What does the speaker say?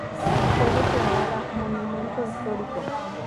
Fue declarada Monumento Histórico.